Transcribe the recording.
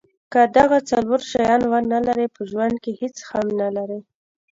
که دغه څلور شیان ونلرئ په ژوند کې هیڅ هم نلرئ.